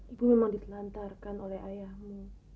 ibu memang ditelantarkan oleh ayahmu